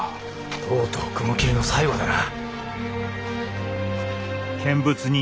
とうとう雲霧の最後だな。